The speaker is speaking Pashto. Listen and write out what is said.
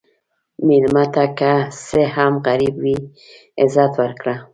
مېلمه ته که څه هم غریب وي، عزت ورکړه.